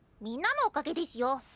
みんなのおかげですよ！